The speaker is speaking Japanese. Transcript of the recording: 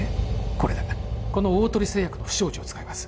これだこの大鳥製薬の不祥事を使います